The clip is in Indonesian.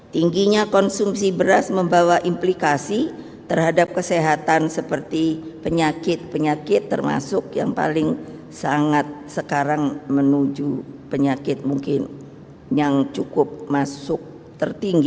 tingginya konsumsi beras membawa implikasi terhadap kesehatan seperti penyakit penyakit termasuk yang paling sangat sekarang menuju penyakit mungkin yang cukup masuk tertinggi